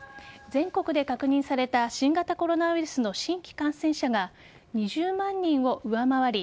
全国で確認された新型コロナウイルスの新規感染者が２０万人を上回り